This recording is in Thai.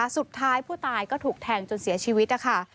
สุดท้ายผู้ตายก็ถูกแทงจนเสียชีวิตนะคะ